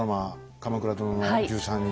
「鎌倉殿の１３人」